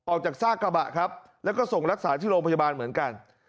ซากกระบะครับแล้วก็ส่งรักษาที่โรงพยาบาลเหมือนกัน